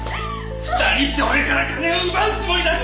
２人して俺から金を奪うつもりだったのか！？